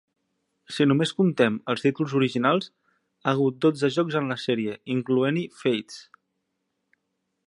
Si només comptem els títols originals, ha hagut dotze jocs en la sèrie, incloent-hi "Fates".